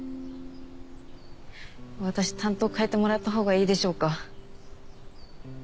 私担当変えてもらったほうがいいでしょうか？